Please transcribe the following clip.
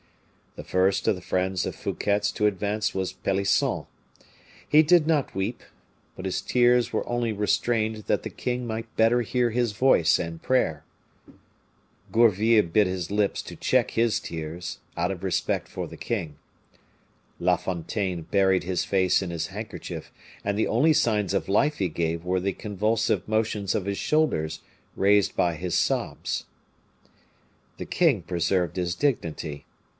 The first of the friends of Fouquet's to advance was Pelisson. He did not weep, but his tears were only restrained that the king might better hear his voice and prayer. Gourville bit his lips to check his tears, out of respect for the king. La Fontaine buried his face in his handkerchief, and the only signs of life he gave were the convulsive motions of his shoulders, raised by his sobs. The king preserved his dignity.